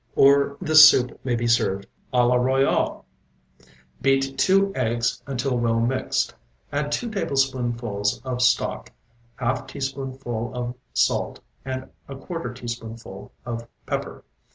Or this soup may be served à la Royal. A LA ROYAL Beat two eggs until well mixed; add two tablespoonfuls of stock, half teaspoonful of salt and a quarter teaspoonful of pepper.